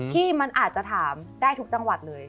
ที่มันอาจจะถามได้ทุกจังหวัดเลย